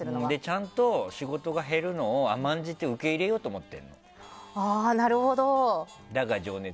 ちゃんと仕事が減るのを甘んじて受け入れようと思って。